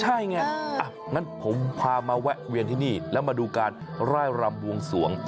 ใช่ไงอ่ะงั้นผมพามาแวะเวียนที่นี่แล้วมาดูการไล่รำบวงสวง